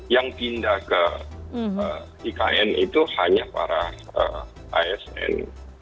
yang pindah ke ikn itu hanya para asn